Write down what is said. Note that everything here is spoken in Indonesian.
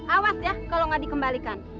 awas ya kalau nggak dikembalikan